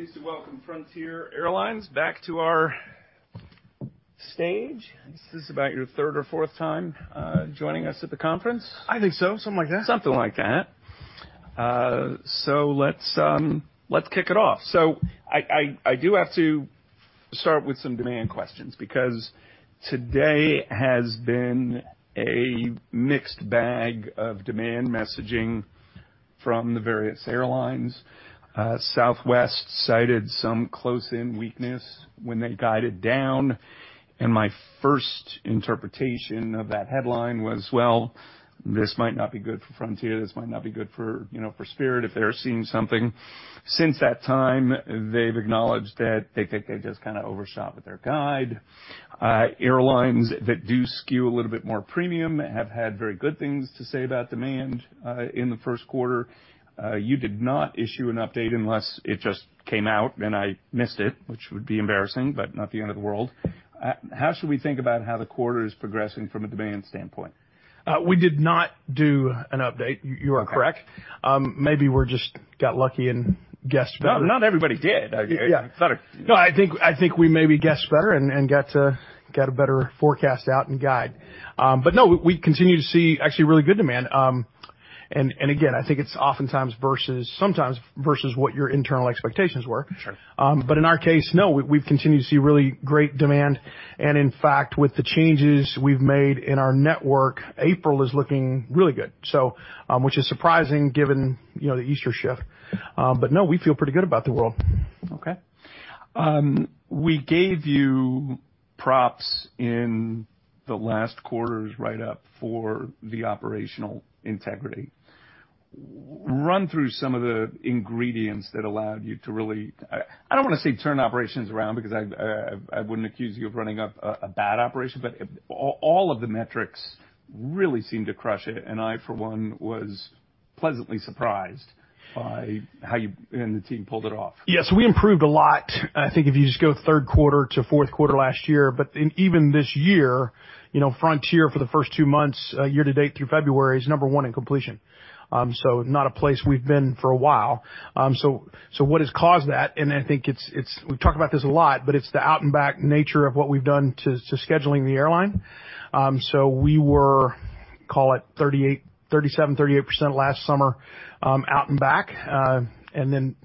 Pleased to welcome Frontier Airlines back to our stage. Is this about your third or fourth time joining us at the conference? I think so, something like that. Something like that. So let's kick it off. So I do have to start with some demand questions because today has been a mixed bag of demand messaging from the various airlines. Southwest cited some close-in weakness when they guided down, and my first interpretation of that headline was, "Well, this might not be good for Frontier. This might not be good for Spirit if they're seeing something." Since that time, they've acknowledged that they think they just kind of overshot with their guide. Airlines that do skew a little bit more premium have had very good things to say about demand in the first quarter. You did not issue an update unless it just came out and I missed it, which would be embarrassing, but not the end of the world. How should we think about how the quarter is progressing from a demand standpoint? We did not do an update. You are correct. Maybe we just got lucky and guessed better. Not everybody did. No, I think we maybe guessed better and got a better forecast out and guide. But no, we continue to see actually really good demand. And again, I think it's oftentimes versus sometimes versus what your internal expectations were. But in our case, no, we've continued to see really great demand. And in fact, with the changes we've made in our network, April is looking really good, which is surprising given the Easter shift. But no, we feel pretty good about the world. Okay. We gave you props in the last quarters write-up for the operational integrity. Run through some of the ingredients that allowed you to really, I don't want to say turn operations around because I wouldn't accuse you of running a bad operation, but all of the metrics really seemed to crush it. I, for one, was pleasantly surprised by how you and the team pulled it off. Yeah, so we improved a lot. I think if you just go third quarter to fourth quarter last year, but even this year, Frontier for the first two months, year to date through February, is number one in completion. So not a place we've been for a while. So what has caused that? And I think it's we've talked about this a lot, but it's the out-and-back nature of what we've done to scheduling the airline. So we were, call it, 37%-38% last summer out-and-back, and then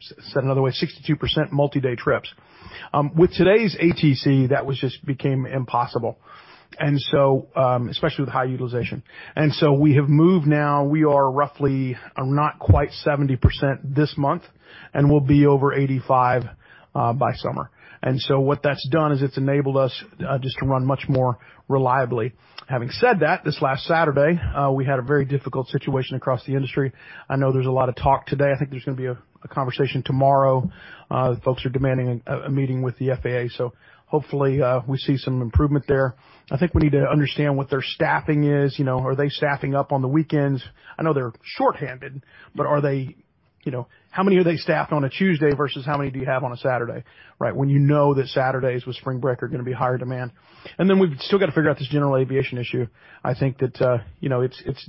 said another way, 62% multi-day trips. With today's ATC, that just became impossible, especially with high utilization. And so we have moved now. We are roughly not quite 70% this month, and we'll be over 85% by summer. And so what that's done is it's enabled us just to run much more reliably. Having said that, this last Saturday, we had a very difficult situation across the industry. I know there's a lot of talk today. I think there's going to be a conversation tomorrow. Folks are demanding a meeting with the FAA. So hopefully, we see some improvement there. I think we need to understand what their staffing is. Are they staffing up on the weekends? I know they're shorthanded, but are they how many are they staffed on a Tuesday versus how many do you have on a Saturday, right, when you know that Saturdays with spring break are going to be higher demand? And then we've still got to figure out this general aviation issue. I think that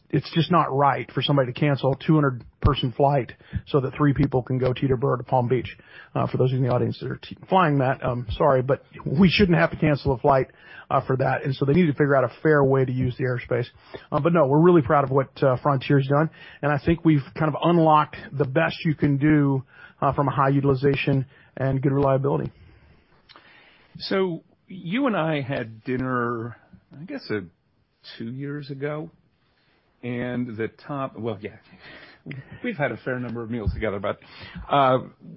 it's just not right for somebody to cancel a 200-person flight so that three people can go Teterboro to Palm Beach. For those in the audience that are flying that, sorry, but we shouldn't have to cancel a flight for that. And so they need to figure out a fair way to use the airspace. But no, we're really proud of what Frontier's done, and I think we've kind of unlocked the best you can do from a high utilization and good reliability. So you and I had dinner, I guess, two years ago, and the topic, well, yeah. We've had a fair number of meals together, but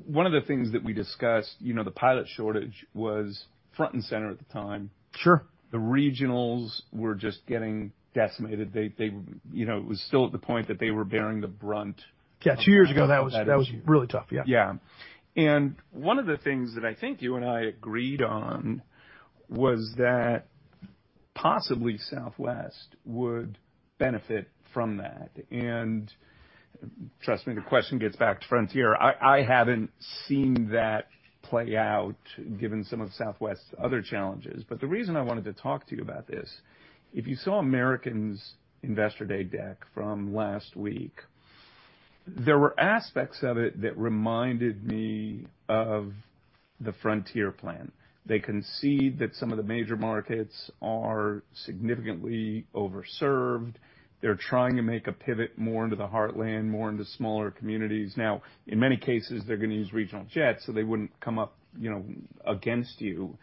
one of the things that we discussed, the pilot shortage, was front and center at the time. The regionals were just getting decimated. It was still at the point that they were bearing the brunt. Yeah, two years ago, that was really tough. Yeah. Yeah. One of the things that I think you and I agreed on was that possibly Southwest would benefit from that. Trust me, the question gets back to Frontier. I haven't seen that play out given some of Southwest's other challenges. The reason I wanted to talk to you about this, if you saw American's Investor Day deck from last week, there were aspects of it that reminded me of the Frontier plan. They concede that some of the major markets are significantly overserved. They're trying to make a pivot more into the heartland, more into smaller communities. Now, in many cases, they're going to use regional jets, so they wouldn't come up against you.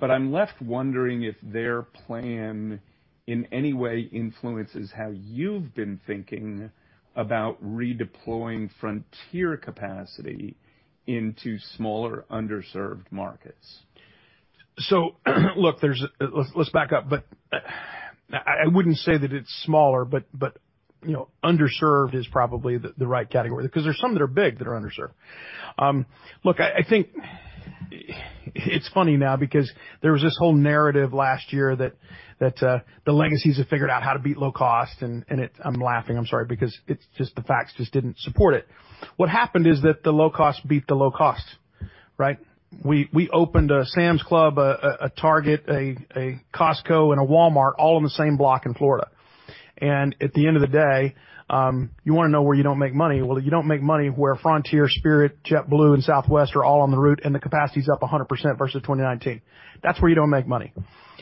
I'm left wondering if their plan in any way influences how you've been thinking about redeploying Frontier capacity into smaller underserved markets. So look, let's back up. But I wouldn't say that it's smaller, but underserved is probably the right category because there's some that are big that are underserved. Look, I think it's funny now because there was this whole narrative last year that the legacies have figured out how to beat low cost, and I'm laughing, I'm sorry, because it's just the facts just didn't support it. What happened is that the low cost beat the low cost, right? We opened a Sam's Club, a Target, a Costco, and a Walmart all in the same block in Florida. And at the end of the day, you want to know where you don't make money. Well, you don't make money where Frontier, Spirit, JetBlue, and Southwest are all on the route and the capacity's up 100% versus 2019. That's where you don't make money.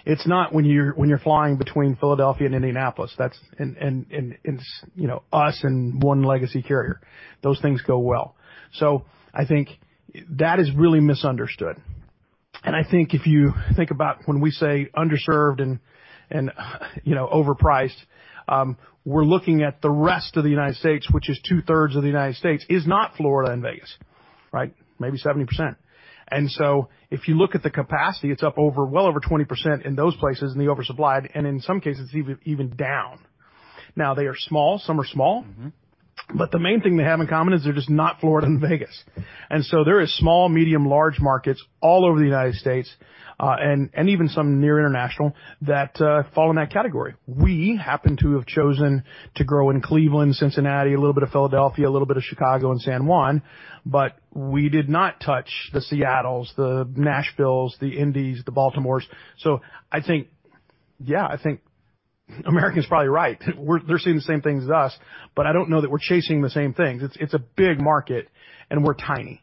It's not when you're flying between Philadelphia and Indianapolis and us and one legacy carrier. Those things go well. So I think that is really misunderstood. And I think if you think about when we say underserved and overpriced, we're looking at the rest of the United States, which is two-thirds of the United States, is not Florida and Vegas, right, maybe 70%. And so if you look at the capacity, it's up well over 20% in those places and the oversupplied, and in some cases, it's even down. Now, they are small. Some are small. But the main thing they have in common is they're just not Florida and Vegas. And so there are small, medium, large markets all over the United States, and even some near international that fall in that category. We happen to have chosen to grow in Cleveland, Cincinnati, a little bit of Philadelphia, a little bit of Chicago, and San Juan, but we did not touch the Seattles, the Nashvilles, the Indys, the Baltimores. So yeah, I think Americans are probably right. They're seeing the same things as us, but I don't know that we're chasing the same things. It's a big market, and we're tiny.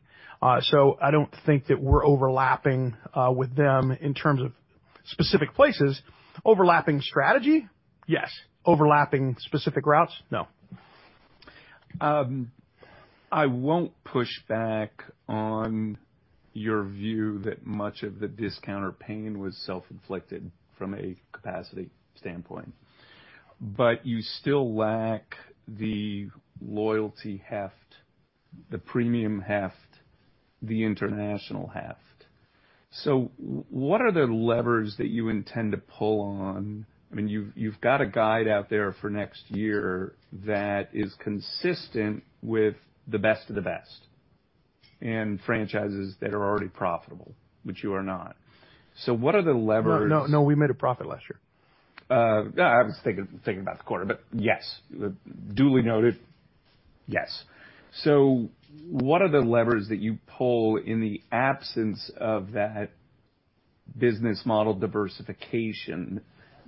So I don't think that we're overlapping with them in terms of specific places. Overlapping strategy, yes. Overlapping specific routes, no. I won't push back on your view that much of the discount or pain was self-inflicted from a capacity standpoint, but you still lack the loyalty heft, the premium heft, the international heft. So what are the levers that you intend to pull on? I mean, you've got a guide out there for next year that is consistent with the best of the best and franchises that are already profitable, which you are not. So what are the levers? No, no, no. We made a profit last year. I was thinking about the quarter, but yes. Duly noted, yes. So what are the levers that you pull in the absence of that business model diversification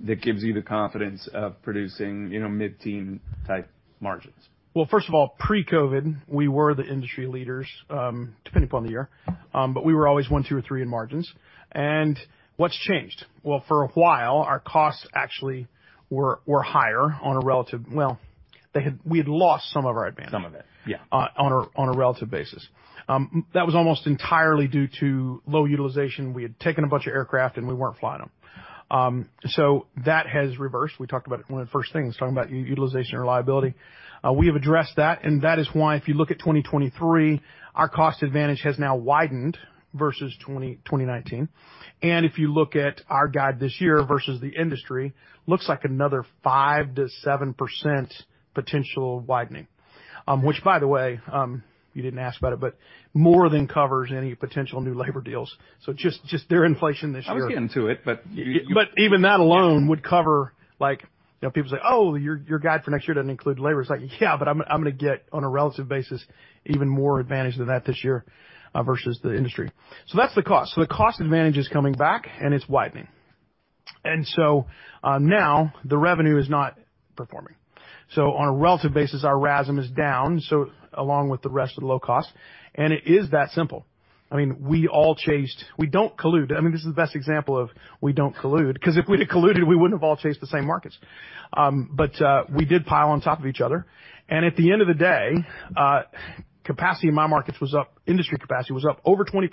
that gives you the confidence of producing mid-teens type margins? Well, first of all, pre-COVID, we were the industry leaders, depending upon the year, but we were always one, two, or three in margins. What's changed? Well, for a while, our costs actually were higher on a relative basis. Well, we had lost some of our advantage. Some of it, yeah. On a relative basis. That was almost entirely due to low utilization. We had taken a bunch of aircraft, and we weren't flying them. So that has reversed. We talked about it one of the first things, talking about utilization and reliability. We have addressed that, and that is why if you look at 2023, our cost advantage has now widened versus 2019. And if you look at our guide this year versus the industry, it looks like another 5%-7% potential widening, which, by the way, you didn't ask about it, but more than covers any potential new labor deals. So just their inflation this year. I was getting to it, but you. But even that alone would cover people say, "Oh, your guide for next year doesn't include labor." It's like, "Yeah, but I'm going to get on a relative basis even more advantage than that this year versus the industry." So that's the cost. So the cost advantage is coming back, and it's widening. And so now, the revenue is not performing. So on a relative basis, our RASM is down, along with the rest of the low cost, and it is that simple. I mean, we all chased. We don't collude. I mean, this is the best example of we don't collude because if we had colluded, we wouldn't have all chased the same markets. But we did pile on top of each other. And at the end of the day, capacity in my markets was up. Industry capacity was up over 20%.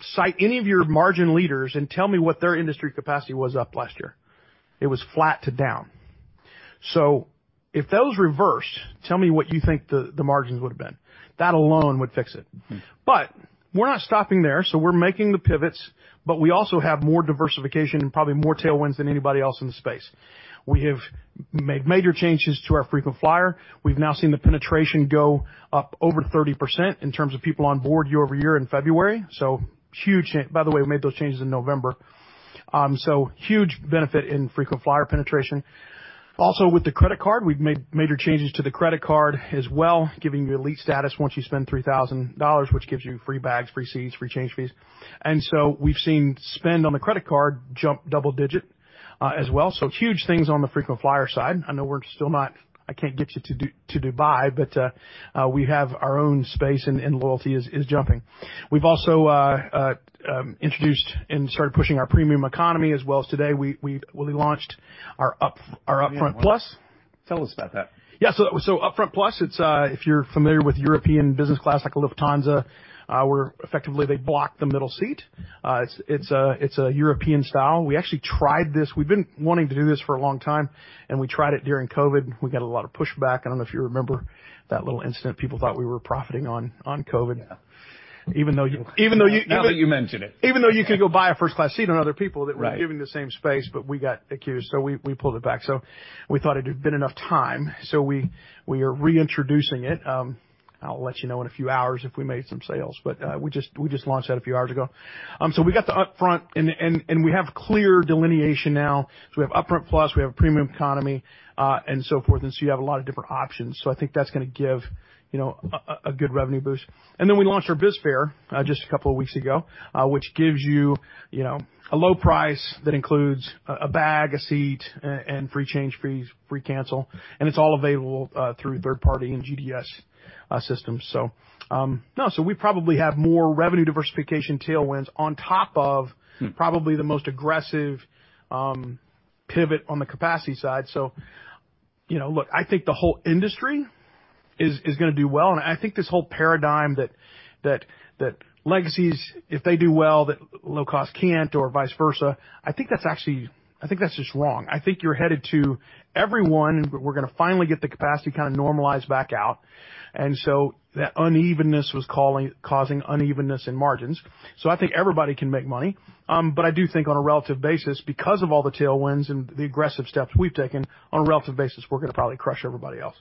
Cite any of your margin leaders and tell me what their industry capacity was up last year. It was flat to down. So if those reversed, tell me what you think the margins would have been. That alone would fix it. But we're not stopping there. So we're making the pivots, but we also have more diversification and probably more tailwinds than anybody else in the space. We have made major changes to our frequent flyer. We've now seen the penetration go up over 30% in terms of people on board year-over-year in February. So huge, by the way, we made those changes in November. So huge benefit in frequent flyer penetration. Also, with the credit card, we've made major changes to the credit card as well, giving you elite status once you spend $3,000, which gives you free bags, free seats, free change fees. And so we've seen spend on the credit card jump double-digit as well. Huge things on the frequent flyer side. I know we're still not. I can't get you to Dubai, but we have our own space, and loyalty is jumping. We've also introduced and started pushing our premium economy as well. Today we launched our UpFront Plus. Tell us about that. Yeah, so UpFront Plus, if you're familiar with European business class like a Lufthansa, effectively, they block the middle seat. It's a European style. We actually tried this. We've been wanting to do this for a long time, and we tried it during COVID. We got a lot of pushback. I don't know if you remember that little incident. People thought we were profiting on COVID, even though you. Now that you mention it. Even though you could go buy a first-class seat on other people that were giving the same space, but we got accused. So we pulled it back. We thought it had been enough time. So we are reintroducing it. I'll let you know in a few hours if we made some sales, but we just launched that a few hours ago. So we got the UpFront, and we have clear delineation now. So we have UpFront Plus. We have a premium economy and so forth. And so you have a lot of different options. So I think that's going to give a good revenue boost. And then we launched our BizFare just a couple of weeks ago, which gives you a low price that includes a bag, a seat, and free change fees, free cancel. And it's all available through third-party and GDS systems. So no, so we probably have more revenue diversification tailwinds on top of probably the most aggressive pivot on the capacity side. So look, I think the whole industry is going to do well, and I think this whole paradigm that legacies, if they do well, that low cost can't or vice versa, I think that's actually I think that's just wrong. I think you're headed to everyone, and we're going to finally get the capacity kind of normalized back out. And so that unevenness was causing unevenness in margins. So I think everybody can make money. But I do think on a relative basis, because of all the tailwinds and the aggressive steps we've taken, on a relative basis, we're going to probably crush everybody else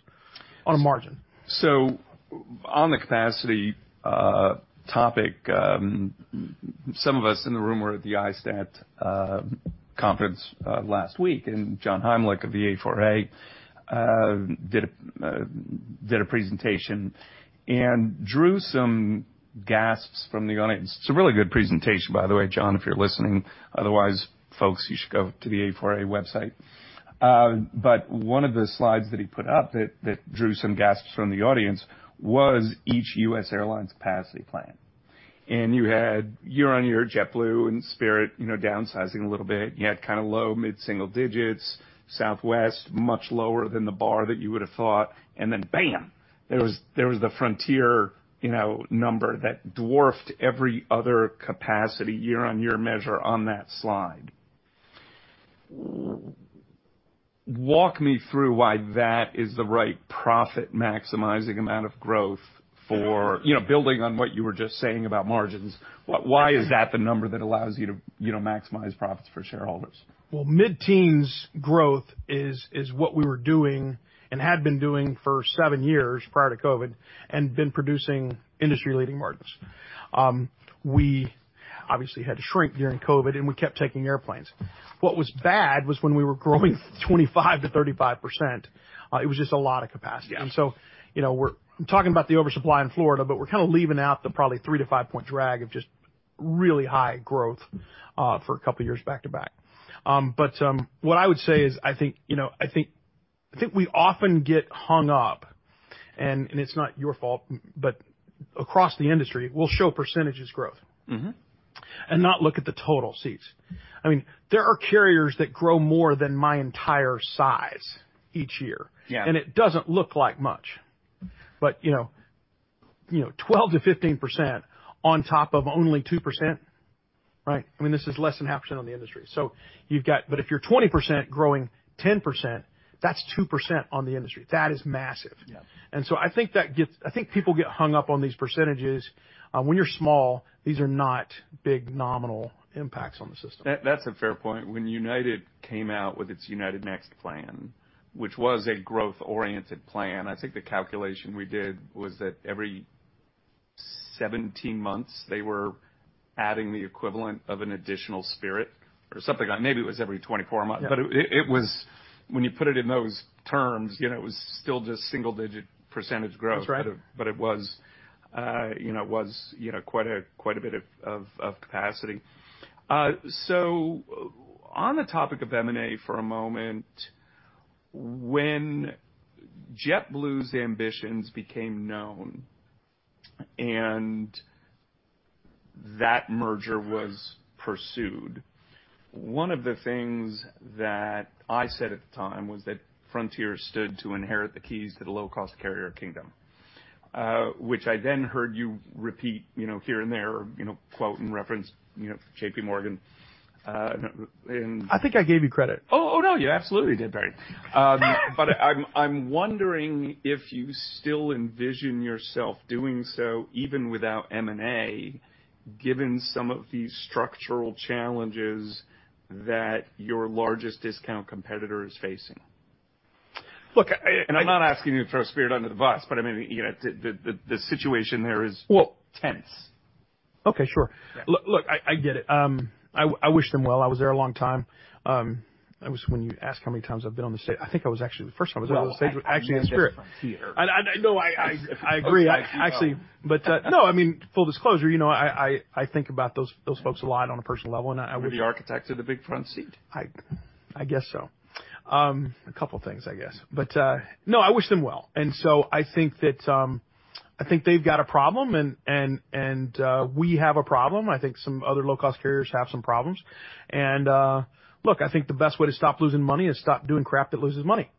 on a margin. So on the capacity topic, some of us in the room were at the ISTAT conference last week, and John Heimlich of the A4A did a presentation and drew some gasps from the audience. It's a really good presentation, by the way, John, if you're listening. Otherwise, folks, you should go to the A4A website. But one of the slides that he put up that drew some gasps from the audience was each U.S. airline's capacity plan. And you had year-over-year, JetBlue and Spirit downsizing a little bit. You had kind of low mid-single digits, Southwest much lower than the bar that you would have thought, and then bam, there was the Frontier number that dwarfed every other capacity year-over-year measure on that slide. Walk me through why that is the right profit-maximizing amount of growth for building on what you were just saying about margins. Why is that the number that allows you to maximize profits for shareholders? Well, mid-teens growth is what we were doing and had been doing for 7 years prior to COVID and been producing industry-leading margins. We obviously had to shrink during COVID, and we kept taking airplanes. What was bad was when we were growing 25%-35%, it was just a lot of capacity. And so I'm talking about the oversupply in Florida, but we're kind of leaving out the probably 3-5-point drag of just really high growth for a couple of years back to back. But what I would say is I think we often get hung up, and it's not your fault, but across the industry, we'll show percentage growth and not look at the total seats. I mean, there are carriers that grow more than my entire size each year, and it doesn't look like much. But 12%-15% on top of only 2%, right? I mean, this is less than 0.5% of the industry. But if you're 20% growing 10%, that's 2% on the industry. That is massive. And so I think that gets I think people get hung up on these percentages. When you're small, these are not big nominal impacts on the system. That's a fair point. When United came out with its United Next plan, which was a growth-oriented plan, I think the calculation we did was that every 17 months, they were adding the equivalent of an additional Spirit or something like maybe it was every 24 months. But when you put it in those terms, it was still just single-digit % growth, but it was quite a bit of capacity. So on the topic of M&A for a moment, when JetBlue's ambitions became known and that merger was pursued, one of the things that I said at the time was that Frontier stood to inherit the keys to the low-cost carrier kingdom, which I then heard you repeat here and there, quoting and referencing J.P. Morgan. I think I gave you credit. Oh, no, you absolutely did, Barry. But I'm wondering if you still envision yourself doing so even without M&A, given some of these structural challenges that your largest discount competitor is facing. Look, and I'm not asking you to throw Spirit under the bus, but I mean, the situation there is tense. Okay, sure. Look, I get it. I wish them well. I was there a long time. When you asked how many times I've been on the stage, I think I was actually the first time I was ever on the stage, actually in Spirit. I think that's the biggest Frontier. No, I agree, actually. But no, I mean, full disclosure, I think about those folks a lot on a personal level, and I wish. You're the architect of the Big Front Seat. I guess so. A couple of things, I guess. But no, I wish them well. So I think that I think they've got a problem, and we have a problem. I think some other low-cost carriers have some problems. Look, I think the best way to stop losing money is stop doing crap that loses money,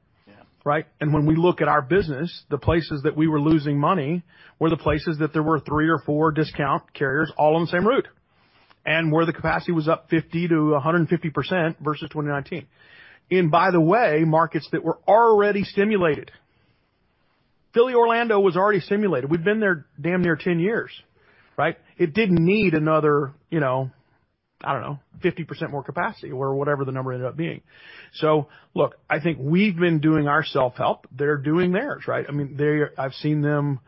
right? When we look at our business, the places that we were losing money were the places that there were three or four discount carriers all on the same route and where the capacity was up 50%-150% versus 2019. By the way, markets that were already stimulated Philly/Orlando was already stimulated. We've been there damn near 10 years, right? It didn't need another, I don't know, 50% more capacity or whatever the number ended up being. Look, I think we've been doing our self-help. They're doing theirs, right? I mean, I've seen them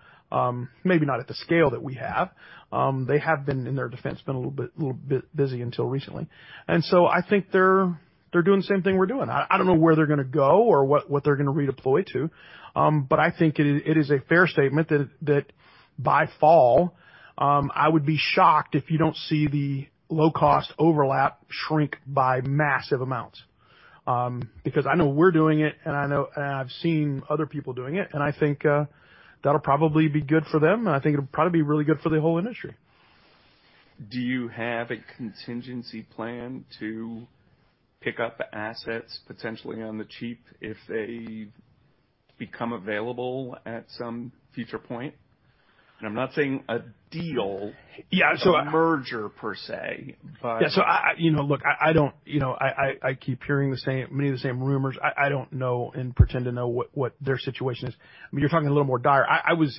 maybe not at the scale that we have. They have been, in their defense, a little bit busy until recently. And so I think they're doing the same thing we're doing. I don't know where they're going to go or what they're going to redeploy to, but I think it is a fair statement that by fall, I would be shocked if you don't see the low-cost overlap shrink by massive amounts because I know we're doing it, and I've seen other people doing it, and I think that'll probably be good for them, and I think it'll probably be really good for the whole industry. Do you have a contingency plan to pick up assets potentially on the cheap if they become available at some future point? I'm not saying a deal, a merger per se, but. Yeah, so look, I don't—I keep hearing many of the same rumors. I don't know and pretend to know what their situation is. I mean, you're talking a little more dire. I was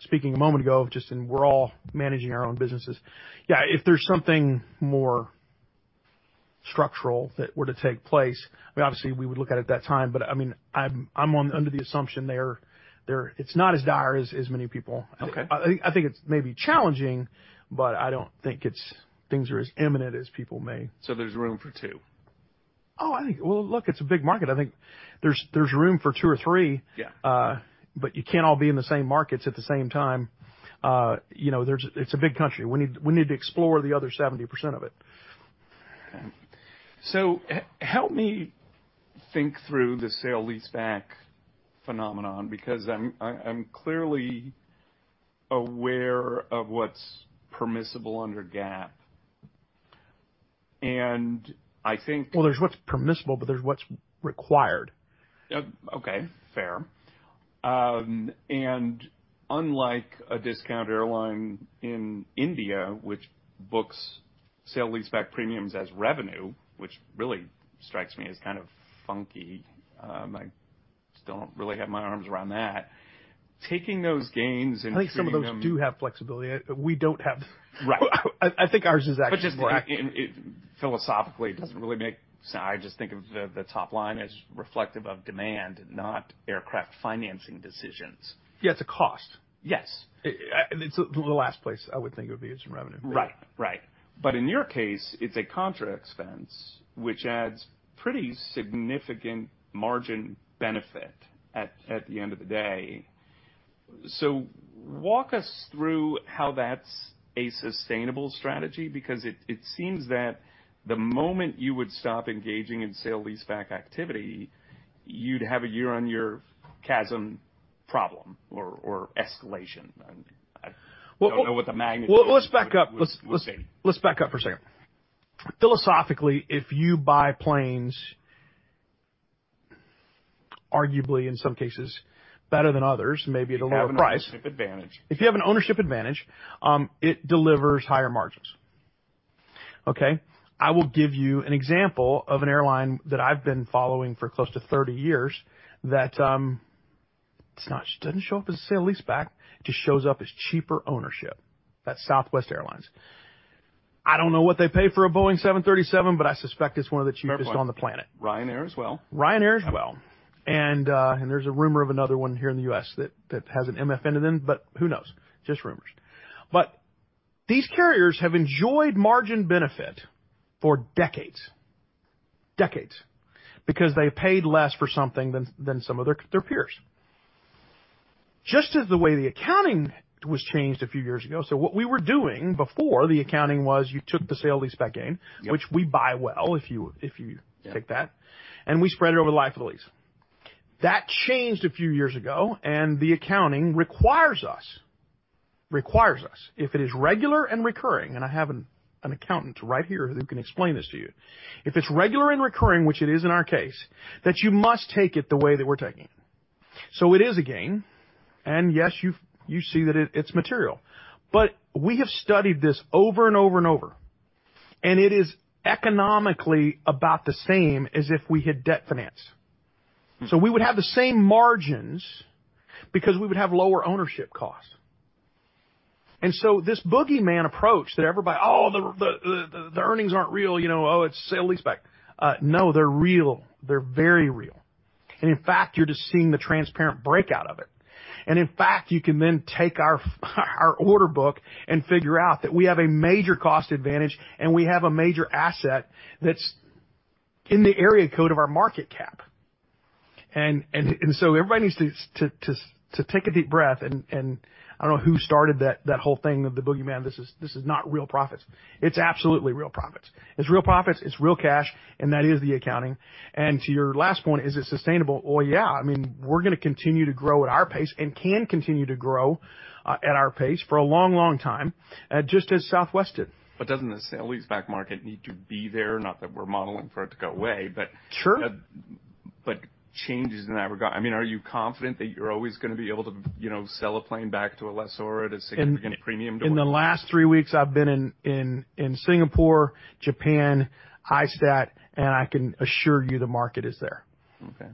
speaking a moment ago just in that we're all managing our own businesses. Yeah, if there's something more structural that were to take place, I mean, obviously, we would look at it at that time, but I mean, I'm under the assumption there it's not as dire as many people. I think it's maybe challenging, but I don't think things are as imminent as people may. There's room for two. Oh, I think, well, look, it's a big market. I think there's room for two or three, but you can't all be in the same markets at the same time. It's a big country. We need to explore the other 70% of it. Okay. So help me think through the sale-leaseback phenomenon because I'm clearly aware of what's permissible under GAAP. And I think. Well, there's what's permissible, but there's what's required. Okay, fair. Unlike a discount airline in India, which books sale-leaseback premiums as revenue, which really strikes me as kind of funky, I still don't really have my arms around that, taking those gains into. I think some of those do have flexibility. We don't have. I think ours is actually more action. But just philosophically, it doesn't really make sense. I just think of the top line as reflective of demand and not aircraft financing decisions. Yeah, it's a cost. Yes. It's the last place I would think it would be used in revenue. Right, right. But in your case, it's a contract expense, which adds pretty significant margin benefit at the end of the day. So walk us through how that's a sustainable strategy because it seems that the moment you would stop engaging in sale-leaseback activity, you'd have a year-on-year CASM problem or escalation. I don't know what the magnitude would be. Well, let's back up. Let's back up for a second. Philosophically, if you buy planes, arguably, in some cases, better than others, maybe at a lower price. If you have an ownership advantage. If you have an ownership advantage, it delivers higher margins. Okay? I will give you an example of an airline that I've been following for close to 30 years that it doesn't show up as a sale-leaseback. It just shows up as cheaper ownership. That's Southwest Airlines. I don't know what they pay for a Boeing 737, but I suspect it's one of the cheapest on the planet. Ryanair as well. Ryanair as well. There's a rumor of another one here in the US that has an end to them, but who knows? Just rumors. But these carriers have enjoyed margin benefit for decades, decades, because they paid less for something than some of their peers. Just as the way the accounting was changed a few years ago. So what we were doing before the accounting was you took the sale-leaseback gain, which we buy well if you take that, and we spread it over the life of the lease. That changed a few years ago, and the accounting requires us, requires us, if it is regular and recurring and I have an accountant right here who can explain this to you, if it's regular and recurring, which it is in our case, that you must take it the way that we're taking it. So it is a gain, and yes, you see that it's material. But we have studied this over and over and over, and it is economically about the same as if we had debt finance. So we would have the same margins because we would have lower ownership costs. And so this boogeyman approach that everybody, "Oh, the earnings aren't real. Oh, it's sale-leaseback." No, they're real. They're very real. And in fact, you're just seeing the transparent breakout of it. And in fact, you can then take our order book and figure out that we have a major cost advantage, and we have a major asset that's in the area code of our market cap. And so everybody needs to take a deep breath. And I don't know who started that whole thing of the boogeyman. This is not real profits. It's absolutely real profits. It's real profits. It's real cash, and that is the accounting. To your last point, is it sustainable? Well, yeah. I mean, we're going to continue to grow at our pace and can continue to grow at our pace for a long, long time, just as Southwest did. But doesn't the sale-leaseback market need to be there? Not that we're modeling for it to go away, but changes in that regard I mean, are you confident that you're always going to be able to sell a plane back to a lessor at a significant premium to work with? In the last three weeks, I've been in Singapore, Japan, ISTAT, and I can assure you the market is there. Okay.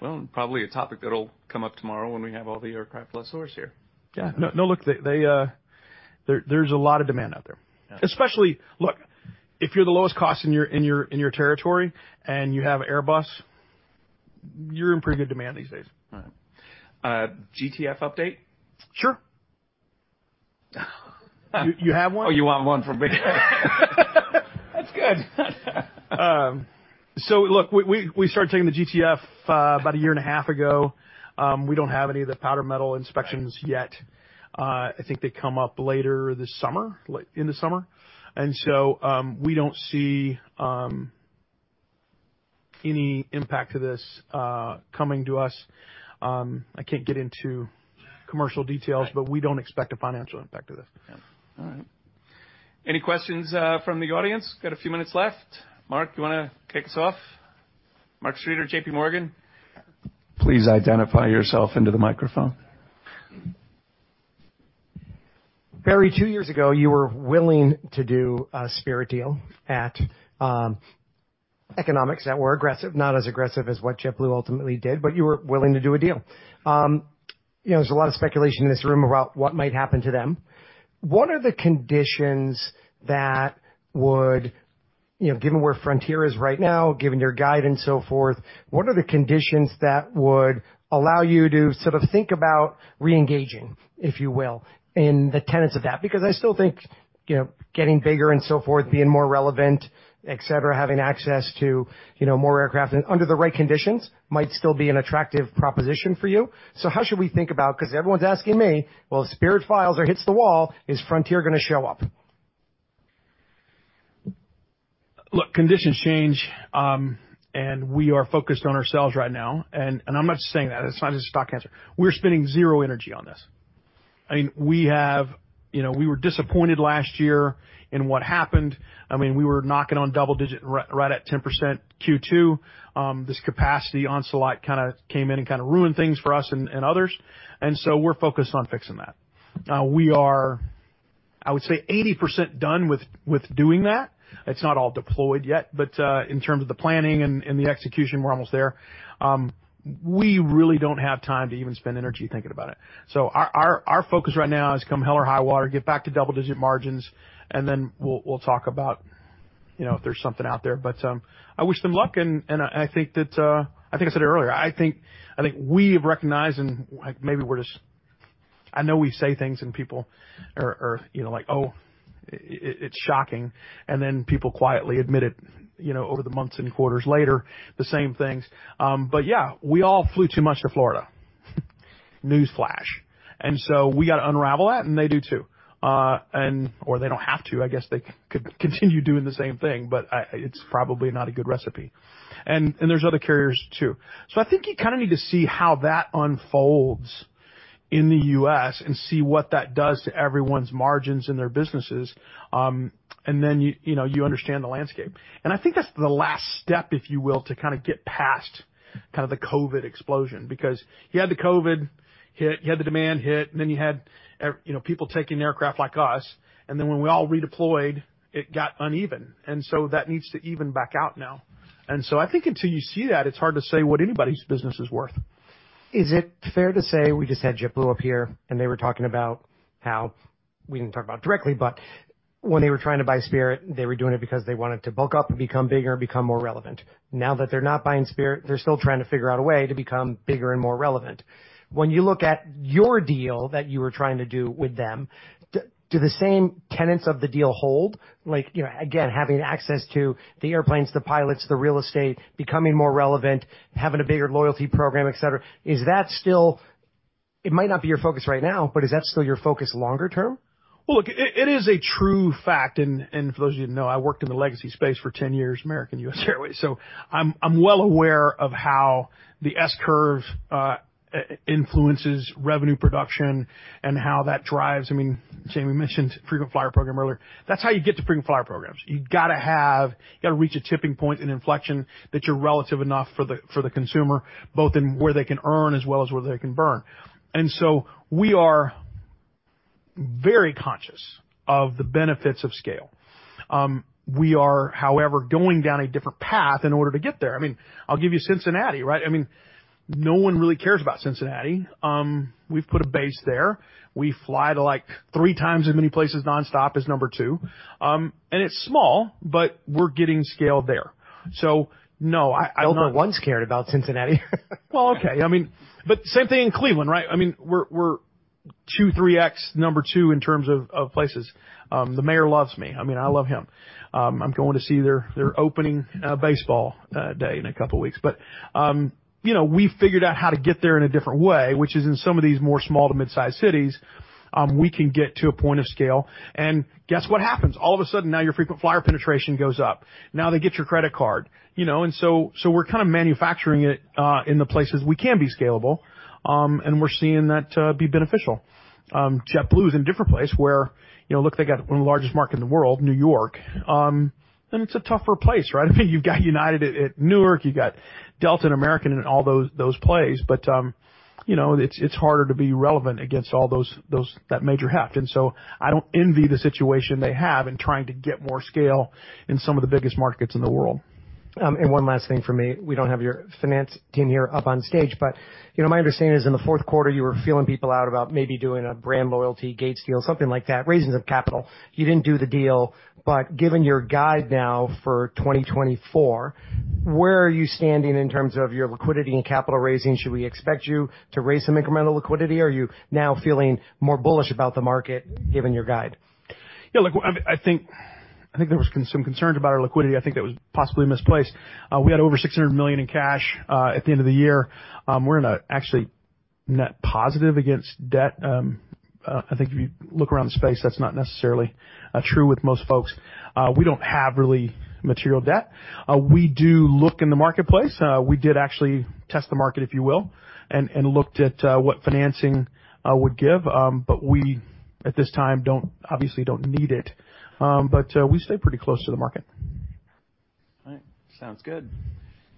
Well, probably a topic that'll come up tomorrow when we have all the aircraft lessors here. Yeah. No, look, there's a lot of demand out there, especially look, if you're the lowest cost in your territory and you have Airbus, you're in pretty good demand these days. All right. GTF update? Sure. You have one? Oh, you want one from me? That's good. So look, we started taking the GTF about a year and a half ago. We don't have any of the powder-metal inspections yet. I think they come up later this summer, in the summer. And so we don't see any impact to this coming to us. I can't get into commercial details, but we don't expect a financial impact to this. Yeah. All right. Any questions from the audience? Got a few minutes left. Mark, you want to kick us off? Mark Streeter, J.P. Morgan. Please identify yourself into the microphone. Barry, two years ago, you were willing to do a Spirit deal at economics that were aggressive, not as aggressive as what jetBlue ultimately did, but you were willing to do a deal. There's a lot of speculation in this room about what might happen to them. What are the conditions that would, given where Frontier is right now, given your guidance and so forth, what are the conditions that would allow you to sort of think about reengaging, if you will, in the tenets of that? Because I still think getting bigger and so forth, being more relevant, etc., having access to more aircraft under the right conditions might still be an attractive proposition for you. So how should we think about, because everyone's asking me, "Well, if Spirit files or hits the wall, is Frontier going to show up? Look, conditions change, and we are focused on ourselves right now. I'm not just saying that. It's not just a stock answer. We're spending zero energy on this. I mean, we were disappointed last year in what happened. I mean, we were knocking on double-digit right at 10% Q2. This capacity expansion kind of came in and kind of ruined things for us and others. So we're focused on fixing that. We are, I would say, 80% done with doing that. It's not all deployed yet, but in terms of the planning and the execution, we're almost there. We really don't have time to even spend energy thinking about it. So our focus right now is come hell or high water, get back to double-digit margins, and then we'll talk about if there's something out there. I wish them luck, and I think I said it earlier. I think we have recognized and maybe we're just—I know we say things, and people are like, "Oh, it's shocking," and then people quietly admit it over the months and quarters later, the same things. But yeah, we all flew too much to Florida. News flash. So we got to unravel that, and they do too. Or they don't have to. I guess they could continue doing the same thing, but it's probably not a good recipe. There's other carriers too. So I think you kind of need to see how that unfolds in the U.S. and see what that does to everyone's margins and their businesses, and then you understand the landscape. I think that's the last step, if you will, to kind of get past kind of the COVID explosion because you had the COVID hit, you had the demand hit, and then you had people taking aircraft like us. And then when we all redeployed, it got uneven. And so that needs to even back out now. And so I think until you see that, it's hard to say what anybody's business is worth. Is it fair to say we just had JetBlue up here, and they were talking about how we didn't talk about it directly, but when they were trying to buy Spirit, they were doing it because they wanted to bulk up and become bigger and become more relevant? Now that they're not buying Spirit, they're still trying to figure out a way to become bigger and more relevant. When you look at your deal that you were trying to do with them, do the same tenets of the deal hold? Again, having access to the airplanes, the pilots, the real estate, becoming more relevant, having a bigger loyalty program, etc., is that still it? Might not be your focus right now, but is that still your focus longer term? Well, look, it is a true fact. And for those who didn't know, I worked in the legacy space for 10 years, American US Airways. So I'm well aware of how the S-curve influences revenue production and how that drives—I mean, Jamie mentioned frequent flyer program earlier. That's how you get to frequent flyer programs. You got to have—you got to reach a tipping point and inflection that you're relative enough for the consumer, both in where they can earn as well as where they can burn. And so we are very conscious of the benefits of scale. We are, however, going down a different path in order to get there. I mean, I'll give you Cincinnati, right? I mean, no one really cares about Cincinnati. We've put a base there. We fly to three times as many places nonstop as number two. And it's small, but we're getting scaled there. So no, I don't. Nobody once cared about Cincinnati. Well, okay. I mean, but same thing in Cleveland, right? I mean, we're 2-3X number two in terms of places. The mayor loves me. I mean, I love him. I'm going to see their opening baseball day in a couple of weeks. But we've figured out how to get there in a different way, which is in some of these more small to midsize cities, we can get to a point of scale. And guess what happens? All of a sudden, now your frequent flyer penetration goes up. Now they get your credit card. And so we're kind of manufacturing it in the places we can be scalable, and we're seeing that be beneficial. JetBlue is in a different place where, look, they got one of the largest markets in the world, New York. And it's a tougher place, right? I mean, you've got United at Newark. You've got Delta and American and all those plays, but it's harder to be relevant against that major heft. And so I don't envy the situation they have in trying to get more scale in some of the biggest markets in the world. One last thing for me. We don't have your finance team here up on stage, but my understanding is in the fourth quarter, you were feeling people out about maybe doing a brand loyalty, gates deal, something like that, raising some capital. You didn't do the deal, but given your guide now for 2024, where are you standing in terms of your liquidity and capital raising? Should we expect you to raise some incremental liquidity? Are you now feeling more bullish about the market given your guide? Yeah. Look, I think there was some concerns about our liquidity. I think that was possibly misplaced. We had over $600 million in cash at the end of the year. We're in a actually net positive against debt. I think if you look around the space, that's not necessarily true with most folks. We don't have really material debt. We do look in the marketplace. We did actually test the market, if you will, and looked at what financing would give. But we at this time obviously don't need it. But we stay pretty close to the market. All right. Sounds good.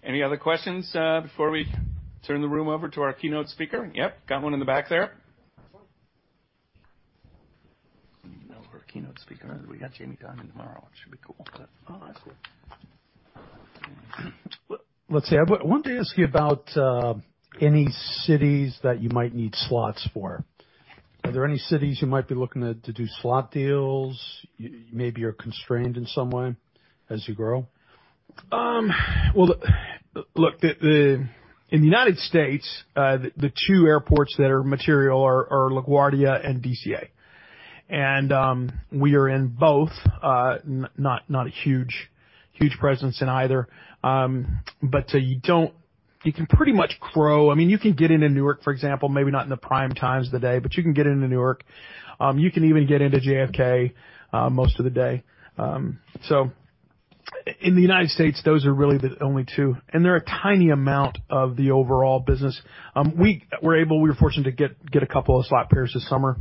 Any other questions before we turn the room over to our keynote speaker? Yep. Got one in the back there. Let's see. I wanted to ask you about any cities that you might need slots for. Are there any cities you might be looking to do slot deals? Maybe you're constrained in some way as you grow? Well, look, in the United States, the two airports that are material are LaGuardia and DCA. And we are in both, not a huge presence in either. But you can pretty much grow, I mean, you can get into Newark, for example, maybe not in the prime times of the day, but you can get into Newark. You can even get into JFK most of the day. So in the United States, those are really the only two. And they're a tiny amount of the overall business. We were fortunate to get a couple of slot pairs this summer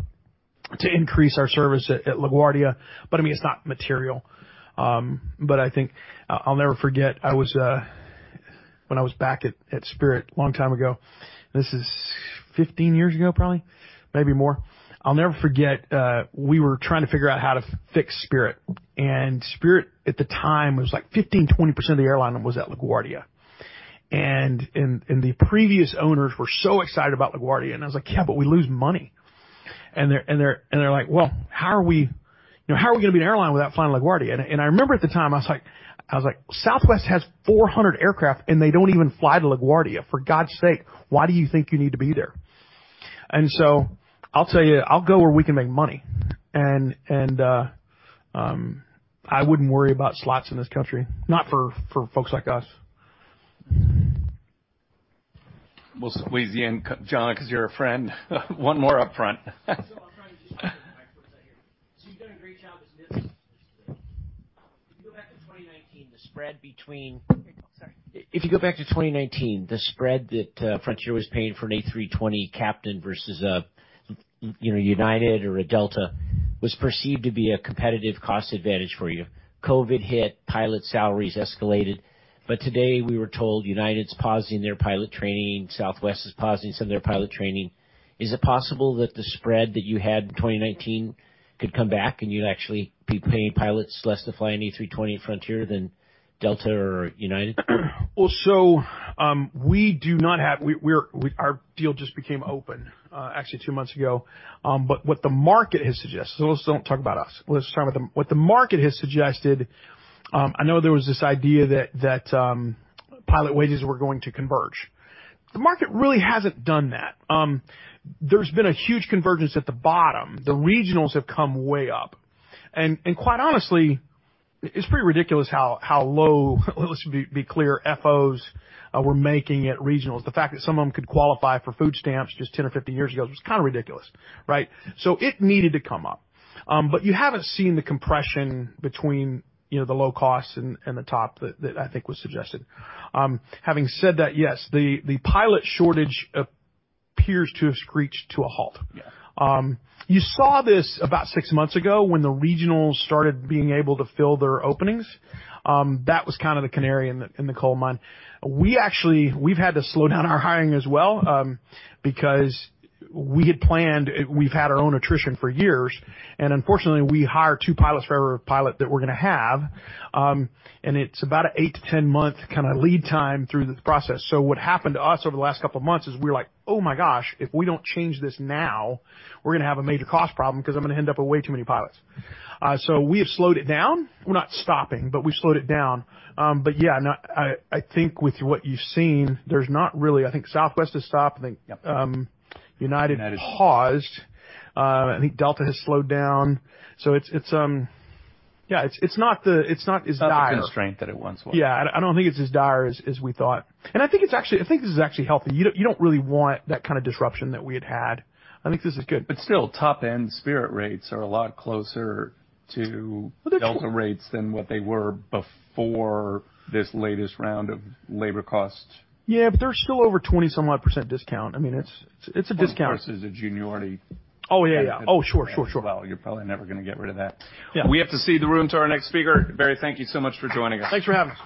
to increase our service at LaGuardia. But I mean, it's not material. But I think I'll never forget I was when I was back at Spirit a long time ago, and this is 15 years ago, probably, maybe more. I'll never forget we were trying to figure out how to fix Spirit. And Spirit, at the time, was like 15%-20% of the airline was at LaGuardia. And the previous owners were so excited about LaGuardia, and I was like, "Yeah, but we lose money." And they're like, "Well, how are we how are we going to be an airline without flying LaGuardia?" And I remember at the time, I was like, "Southwest has 400 aircraft, and they don't even fly to LaGuardia. For God's sake, why do you think you need to be there?" And so I'll tell you, I'll go where we can make money. And I wouldn't worry about slots in this country, not for folks like us. Well, listen, John, because you're a friend, one more upfront. So I'm trying to just check with my folks out here. So you've done a great job as NPS officer today. If you go back to 2019, the spread between, sorry. If you go back to 2019, the spread that Frontier was paying for an A320 captain versus a United or a Delta was perceived to be a competitive cost advantage for you. COVID hit, pilot salaries escalated. But today, we were told United's pausing their pilot training, Southwest is pausing some of their pilot training. Is it possible that the spread that you had in 2019 could come back, and you'd actually be paying pilots less to fly an A320 at Frontier than Delta or United? Well, so we do not have our deal just became open, actually, two months ago. But what the market has suggested, so let's don't talk about us. Let's talk about what the market has suggested. I know there was this idea that pilot wages were going to converge. The market really hasn't done that. There's been a huge convergence at the bottom. The regionals have come way up. And quite honestly, it's pretty ridiculous how low, let's be clear, FOs were making at regionals. The fact that some of them could qualify for food stamps just 10 or 15 years ago was kind of ridiculous, right? So it needed to come up. But you haven't seen the compression between the low costs and the top that I think was suggested. Having said that, yes, the pilot shortage appears to have screeched to a halt. You saw this about six months ago when the regionals started being able to fill their openings. That was kind of the canary in the coal mine. We've had to slow down our hiring as well because we've had our own attrition for years. Unfortunately, we hire two pilots for every pilot that we're going to have. And it's about an 8-10-month kind of lead time through this process. So what happened to us over the last couple of months is we were like, "Oh my gosh, if we don't change this now, we're going to have a major cost problem because I'm going to end up with way too many pilots." So we have slowed it down. We're not stopping, but we've slowed it down. But yeah, I think with what you've seen, there's not really, I think Southwest has stopped. I think United paused. I think Delta has slowed down. So yeah, it's not as dire. It's not the constraint that it once was. Yeah. I don't think it's as dire as we thought. I think it's actually healthy. You don't really want that kind of disruption that we had had. I think this is good. But still, top-end Spirit rates are a lot closer to Delta rates than what they were before this latest round of labor cost. Yeah, but they're still over 20-some-odd% discount. I mean, it's a discount. Well, versus a juniority. Oh, yeah, yeah. Oh, sure, sure, sure. Well, you're probably never going to get rid of that. We have to cede the room to our next speaker. Barry, thank you so much for joining us. Thanks for having me.